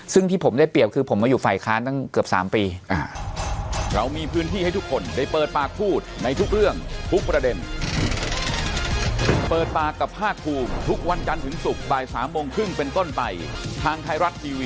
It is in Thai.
ซึ่งที่ผมได้เปรียบคือผมมาอยู่ฝ่ายค้านตั้งเกือบ๓ปี